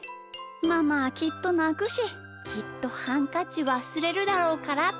ママはきっとなくしきっとハンカチわすれるだろうからって。